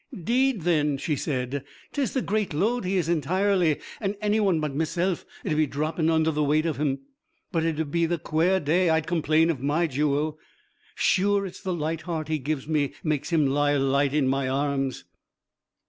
'Deed then,' she said, ''tis the great load he is entirely, an' any wan but meself 'ud be droppin' under the weight of him. But it 'ud be the quare day I'd complain of my jewel. Sure it's the light heart he gives me makes him lie light in my arms.'